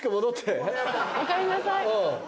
おかえりなさい。